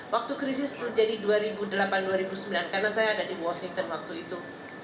waktu krisis terjadi dua ribu delapan dua ribu sembilan karena saya ada di washington waktu itu